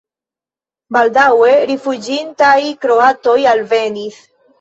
Baldaŭe rifuĝintaj kroatoj alvenis.